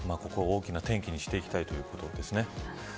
ここを大きな転機にしていきたいというところですね。